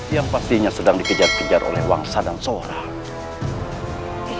yang pastinya sedang dikejar kejar oleh bangsa dan seorang